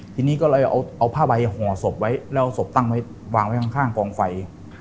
ทีนี้ก็เลยเอาผ้าใบห่อศพไว้แล้วศพตั้งไว้วางไว้ข้างกองไฟ